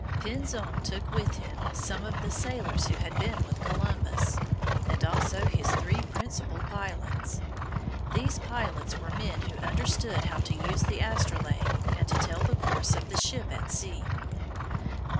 Pinzon took with him some of the sailors who had been with Columbus, and also his three principal pilots. These pilots were men who understood how to use the astrolabe and to tell the course of the ship at sea.